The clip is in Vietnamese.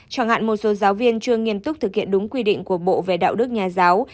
chẳng hạn một số giáo viên chưa nghiêm túc thực hiện đúng quy định của bộ về đạo đức nhà giáo